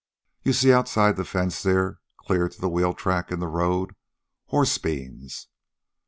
You see outside the fence there, clear to the wheel tracks in the road horse beans.